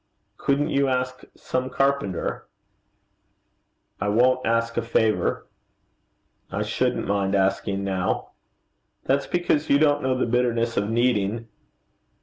'Couldn't you ask some carpenter?' 'I won't ask a favour.' 'I shouldn't mind asking, now.' 'That's because you don't know the bitterness of needing.'